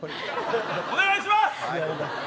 お願いします。